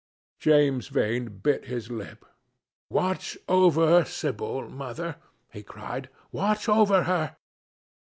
James Vane bit his lip. "Watch over Sibyl, Mother," he cried, "watch over her."